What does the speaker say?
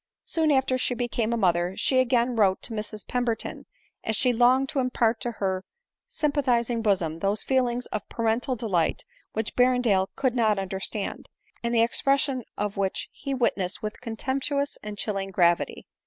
Soon after sh$ 222 ADELINE MOWBRAY. became a mother she again wrote to Mrs Pemberton, as she longed to impart to her sympathizing bosom those feelings of parental delight which Berrendale could not understand, and the expression of which he witnessed with contemptuous and chilling gravity.